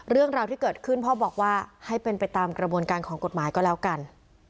เรื่องราวที่เกิดขึ้นพ่อบอกว่าให้เป็นไปตามกระบวนการของกฎหมายก็แล้วกัน